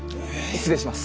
失礼します。